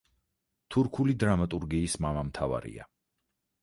თურქული დრამატურგიის მამამთავარია.